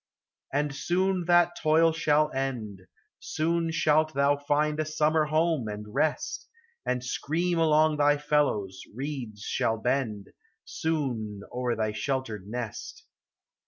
And soon that toil shall end; Soon shalt thou find a summer home, and rest, And scream among thy fellows; reeds shall bend, Soon, o'er thy sheltered nest.